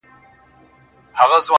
• مسافر ليونى.